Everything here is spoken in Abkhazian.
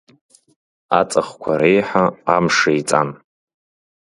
Аҵыхқәа реиҳа амш еиҵан.